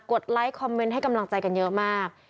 ดไลค์คอมเมนต์ให้กำลังใจกันเยอะมาก